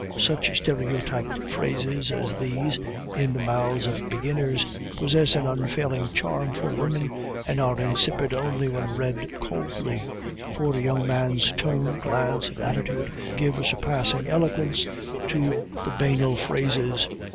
Such stereotyped phrases as these, in the mouths of beginners, possess an unfailing charm for women, and are insipid only when read coldly; for a young man's tone, glance and attitude give a surpassing eloquence to the banal phrases.